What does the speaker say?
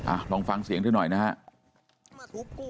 อ่าลองฟังเสียงเท่านั้นหน่อยนะฮะ